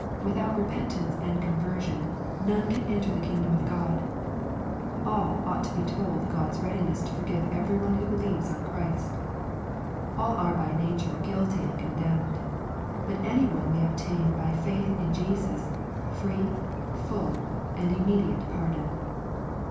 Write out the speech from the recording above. Without repentance and conversion, none can enter the kingdom of God. All ought to be told God's readiness to forgive every one wbo be lieves on Christ. All are by nature guilty and con demned. But any one may obtain by faith in Jesus, free, full, and immediate pardon.